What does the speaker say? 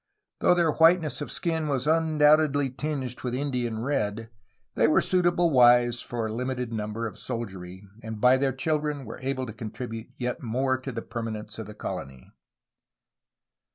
Though their whiteness of skin was undoubtedly tinged with Indian red, they were suitable wives for a limited number of soldiery and by their children were able to contribute yet more to the permanence of the colony.